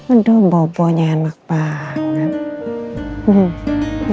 aduh bobo nya enak banget